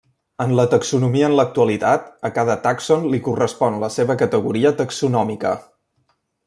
En la taxonomia en l'actualitat a cada tàxon li correspon la seva categoria taxonòmica.